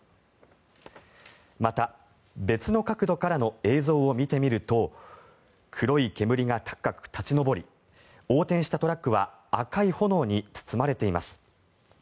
また、別の角度からの映像を見てみると黒い煙が立ち上り横転したトラックは赤い炎に包まれています。